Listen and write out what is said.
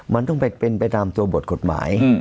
มันต้องเป็นไปตามตัวบทกฎหมาย